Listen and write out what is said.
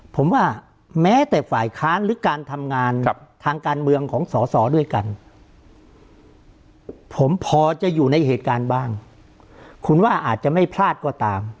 ผมว่าแม้แต่ฝ่ายค้านหรือการทำงานทางการเมืองของสอสอด้วยกันผมพอจะอยู่ในเหตุการณ์บ้างคุณว่าอาจจะไม่พลาดก็ตาม